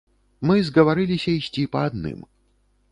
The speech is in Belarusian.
Мы згаварыліся ісці па адным.